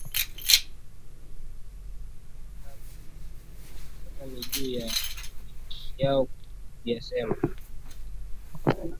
maandishi yako ukutani sasa ni juu yao kuyasoma